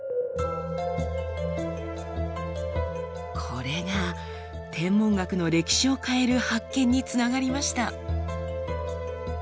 これが天文学の歴史を変える発見につながりました。